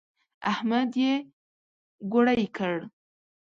احمد يې ګوړۍ کړ.